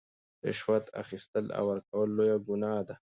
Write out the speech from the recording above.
رشوت اخیستل او ورکول لویه ګناه ده.